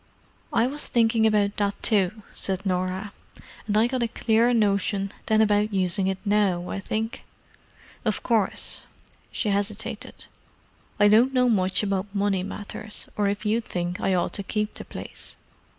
"I was thinking about that, too," said Norah. "And I got a clearer notion than about using it now, I think. Of course,"—she hesitated—"I don't know much about money matters, or if you think I ought to keep the place.